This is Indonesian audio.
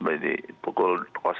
jadi pukul delapan